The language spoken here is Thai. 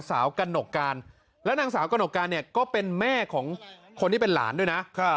กระหนกการและนางสาวกระหนกการเนี่ยก็เป็นแม่ของคนที่เป็นหลานด้วยนะ